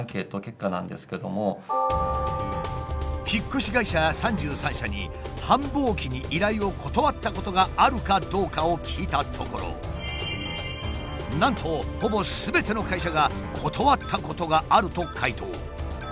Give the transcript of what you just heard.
引っ越し会社３３社に繁忙期に依頼を断ったことがあるかどうかを聞いたところなんとほぼすべての会社が「断ったことがある」と回答。